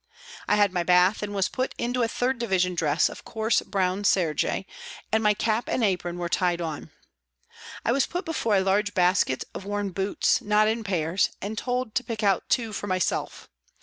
I had my bath, and was put into a 3rd Division dress of coarse, brown serge, and my cap and apron were tied on. I was put before a large basket of worn boots, not in pairs, and told to pick out two for myself.